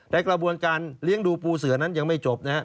ในกระบวนการเลี้ยงดูปูเสือนั้นยังไม่จบนะฮะ